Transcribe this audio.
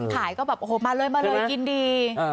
คนขายก็แบบโอ้โหมาเลยยินดี